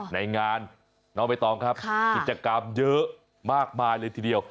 ในงานน้องใบตองครับกิจกรรมเยอะมากมายเลยทีเดียว